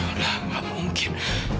udah gak mungkin